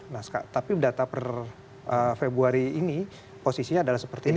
nah tapi data per februari ini posisinya adalah seperti ini